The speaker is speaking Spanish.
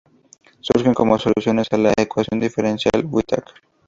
Surgen como soluciones a la ecuación diferencial Whittaker.